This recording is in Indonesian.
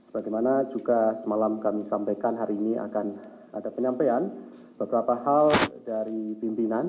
bagaimana juga semalam kami sampaikan hari ini akan ada penyampaian beberapa hal dari pimpinan